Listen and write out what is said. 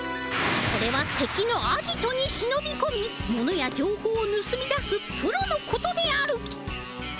それはてきのアジトにしのびこみ物やじょうほうをぬすみ出すプロのことである。